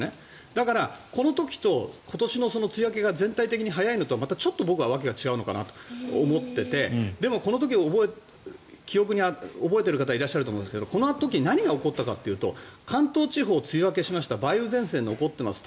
だから、この時と今年の梅雨明けが全体的に早いのとはまたちょっと訳が違うのかなと思っていてでもこの時、記憶にある方いらっしゃると思いますがこの時何が起こったかというと関東地方、梅雨明けしました梅雨前線が残っています